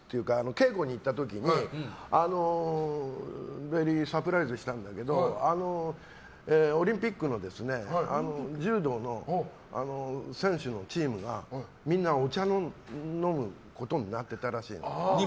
稽古に行った時にベリーサプライズしたんだけどオリンピックの柔道の選手のチームがみんなお茶飲むことになってたらしいの。